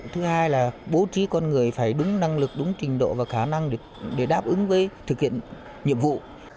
thứ hai là bố trí con người phải đúng năng lực đúng trình độ và khả năng để đáp ứng với thực hiện nhiệm vụ